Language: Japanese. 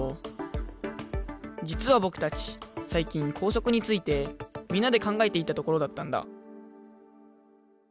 実は僕たち最近校則についてみんなで考えていたところだったんだ